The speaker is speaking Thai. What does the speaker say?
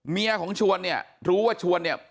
เมียของชวนเนี่ยรู้ว่าชวนเนี่ย